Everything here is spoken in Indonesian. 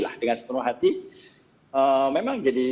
memang jadi lebih banyak